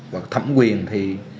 và thẩm quyền thì